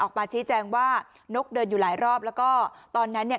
ออกมาชี้แจงว่านกเดินอยู่หลายรอบแล้วก็ตอนนั้นเนี่ย